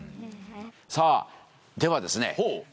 さあではですね